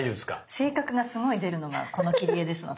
性格がすごい出るのがこの切り絵ですので。